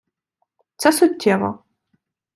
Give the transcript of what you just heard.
Це суттєво.